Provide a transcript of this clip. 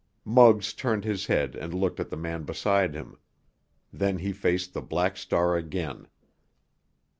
Muggs turned his head and looked at the man beside him. Then he faced the Black Star again.